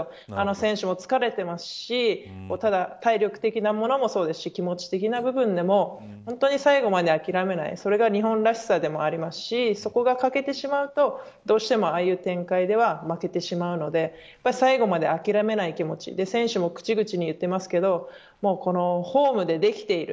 選手も疲れていますしただ体力的な部分もそうですし気持ち的な部分でも本当に最後まで諦めない、それが日本らしさでもありますしそこは欠けてしまうとどうしても、ああいう展開では負けてしまうので最後まで諦めない気持ち選手も口々に言っていましたがホームでできている。